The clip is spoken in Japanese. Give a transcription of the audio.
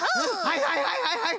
はいはいはいはいっと。